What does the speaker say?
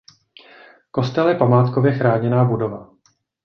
Kostel je památkově chráněná budova.